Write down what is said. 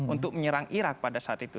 untuk menyerang irak pada saat itu